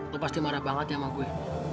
lo pasti marah banget ya sama gue